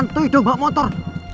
hantui dong bawa motor